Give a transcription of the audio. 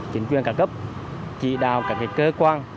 chính quyền cả cấp chỉ đào các cơ quan